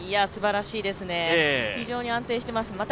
すばらしいですね、非常に安定しています。